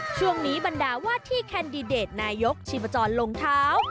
ช่วงนี้บรรดาวาที่แคนดิเดตนายกชิวจรโรงเท้า